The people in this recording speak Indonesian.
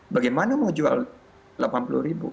bagaimana mau jual rp delapan puluh ribu